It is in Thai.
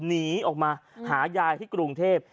หนีออกมาหายายที่กรุงเทพ